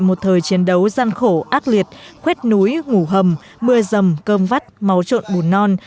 một thời chiến đấu gian khổ ác liệt khuét núi ngủ hầm mưa rầm cơm vắt máu trộn bùn non